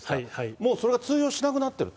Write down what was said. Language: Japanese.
もうそれが通用しなくなってると。